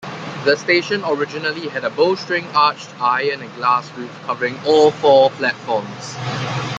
The station originally had a bowstring-arched iron and glass roof covering all four platforms.